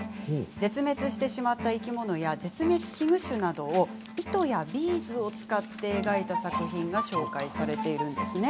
絶滅してしまった生き物や絶滅危惧種など糸やビーズを使って描いた作品が紹介されているんですね。